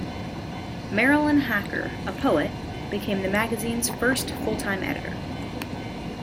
Marilyn Hacker, a poet, became the magazine's first full-time editor.